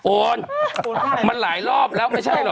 โอนมันหลายรอบแล้วไม่ใช่เหรอ